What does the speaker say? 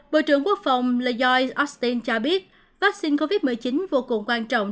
bộ trưởng quốc phòng lay austin cho biết vaccine covid một mươi chín vô cùng quan trọng